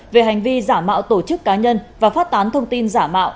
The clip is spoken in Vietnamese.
về hành vi giả mạo tổ chức cá nhân và phát tán thông tin giả mạo